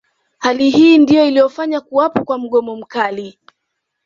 Hali hii ndiyo iliyofanya kuwapo kwa mgomo mkali